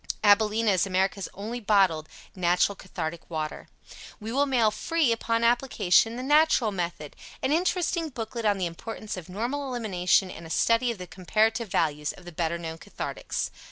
AbilenA is America's Only Bottled Natural Cathartic Water. We will mail, free, upon application, "The Natural Method," an interesting booklet on the importance of normal elimination and a study of the comparative values of the better known cathartics.